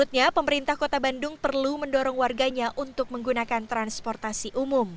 menurutnya pemerintah kota bandung perlu mendorong warganya untuk menggunakan transportasi umum